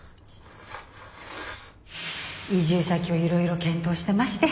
移住先をいろいろ検討してまして。